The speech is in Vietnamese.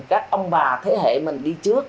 các ông bà thế hệ mình đi trước